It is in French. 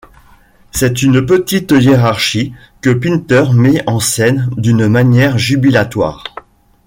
C'est cette petite hiérarchie que Pinter met en scène d'une manière jubilatoire.